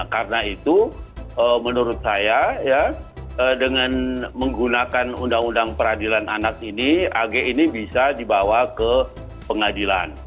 karena itu menurut saya dengan menggunakan undang undang peradilan anak ini ag ini bisa dibawa ke pengadilan